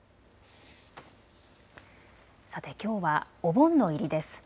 さて、きょうはお盆の入りです。